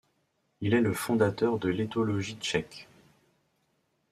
Il est le fondateur de l'éthologie tchèque.